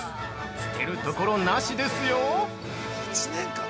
捨てるところなしですよ。